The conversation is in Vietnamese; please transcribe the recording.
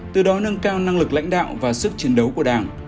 từ đó nâng cao năng lực lãnh đạo và sức chiến đấu của đảng